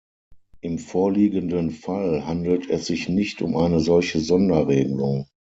Im vorliegenden Fall handelt es sich nicht um eine solche Sonderreglung.